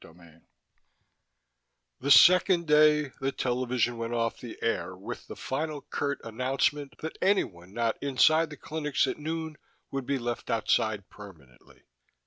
XVIII The second day, the television went off the air with the final curt announcement that anyone not inside the clinics at noon would be left outside permanently.